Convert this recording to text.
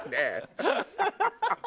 ハハハハ！